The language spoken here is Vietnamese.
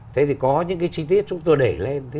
thế thì có những cái chi tiết chúng tôi đẩy lên